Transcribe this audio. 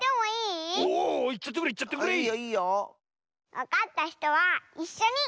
わかったひとはいっしょに！